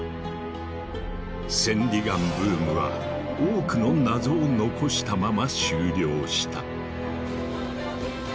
千里眼ブームは多くの謎を残したまま終了した。